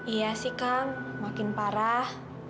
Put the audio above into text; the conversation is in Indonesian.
iya sih kang makin parah